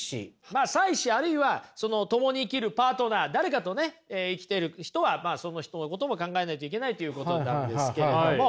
まあ妻子あるいはその共に生きるパートナー誰かとね生きてる人はまあその人のことも考えないといけないということなんですけれども。